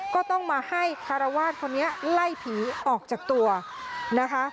ก็ต้องมาให้คารวาสคนนี้ไล่ผีออกจากตัวนะคะ